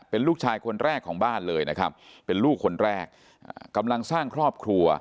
เป็นลูกชายคนแรกของบ้านเลยนะครับเป็นลูกคนแรกกำลังสร้างครอบครัว